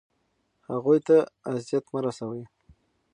هغوی ته اذیت مه رسوئ.